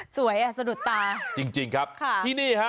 อ่ะสะดุดตาจริงครับค่ะที่นี่ฮะ